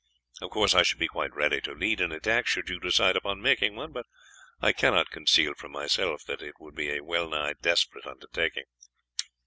Of course I should be quite ready to lead an attack should you decide upon making one, but I cannot conceal from myself that it would be a well nigh desperate undertaking."